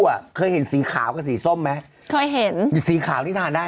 หรือมันแตกต่างกันในไทยมีความรู้